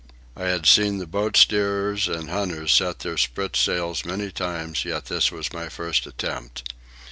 I had seen the boat steerers and hunters set their spritsails many times, yet this was my first attempt.